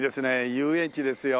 遊園地ですよ。